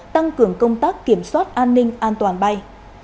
tăng cường công tác kiểm soát an ninh an toàn bay